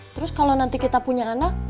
terus kalau nanti kita punya anak